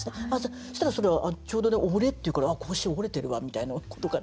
そしたらちょうどね「折」っていうから腰折れてるわみたいなことから。